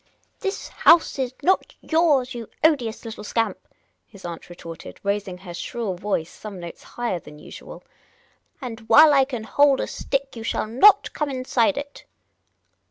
" This house is not yours, you odious little scamp," his aunt retorted, raising her shrill voice some notes higher than usual ;" and ' ile I can hold a stick you shall not come inside it."